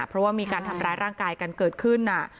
เพราะว่ามีการทำร้ายร่างกายกันเกิดขึ้น